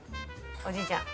「おじいちゃん」